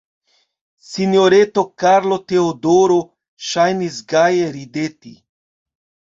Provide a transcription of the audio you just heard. Sinjoreto Karlo-Teodoro ŝajnis gaje rideti.